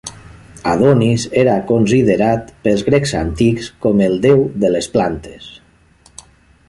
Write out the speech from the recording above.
Adonis era considerat pels grecs antics com el déu de les plantes.